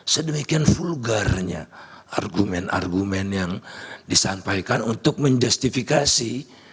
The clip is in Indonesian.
sedemikian vulgarnya argumen argumen yang disampaikan untuk menjustifikasi